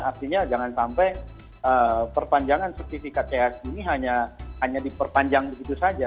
artinya jangan sampai perpanjangan sertifikat chsg ini hanya diperpanjang begitu saja